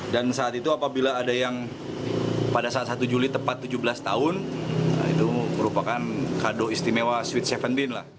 saat itu apabila ada yang pada saat satu juli tepat tujuh belas tahun itu merupakan kado istimewa switch tujuh bean lah